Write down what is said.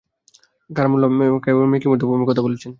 কম মূল্য, কেউ কেউ এর অর্থ মেকী মুদ্রা বলেছেন।